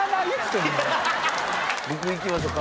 僕いきましょか？